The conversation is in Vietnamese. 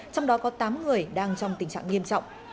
trong đó có tám người đang trong tình trạng nghiêm trọng